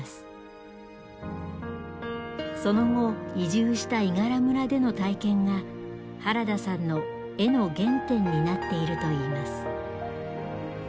その後移住した伊賀良村での体験が原田さんの絵の原点になっているといいます。